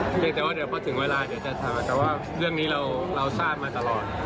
เพียงแต่ว่าเดี๋ยวพอถึงเวลาเดี๋ยวจะทำแต่ว่าเรื่องนี้เราทราบมาตลอด